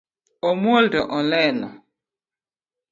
Omuol to olelo